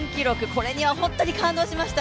これには本当に感動しました、